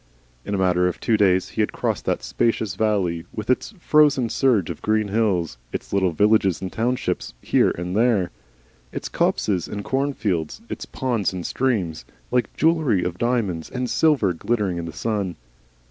In a matter of two days he had crossed that spacious valley, with its frozen surge of green hills, its little villages and townships here and there, its copses and cornfields, its ponds and streams like jewelery of diamonds and silver glittering in the sun.